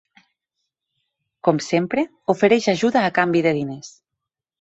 Com sempre, ofereix ajuda a canvi de diners.